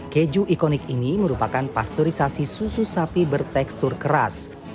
keju ikonik ini merupakan pasteurisasi susu sapi bertekstur keras